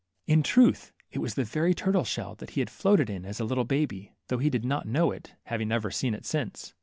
In truths it was the very turtle shell that he had floated in as a little baby, though he did not know it, having never seen it since.